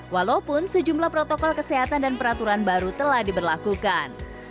walaupun sejumlah protokol kesehatan dan peraturan baru telah diberlakukan